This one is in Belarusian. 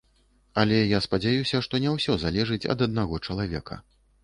Але я спадзяюся, што не ўсё залежыць ад аднаго чалавека.